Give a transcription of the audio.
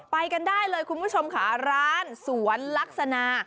ไปกันได้เลยคุณผู้ชมค่ะร้านสวนลักษณะ